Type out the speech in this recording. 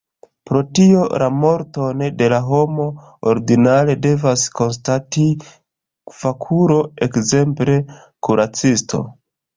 Pro tio la morton de homo ordinare devas konstati fakulo, ekzemple kuracisto.